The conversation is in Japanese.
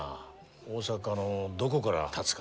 大阪のどこからたつか。